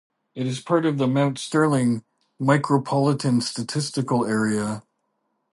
It is part of the Mount Sterling Micropolitan Statistical Area.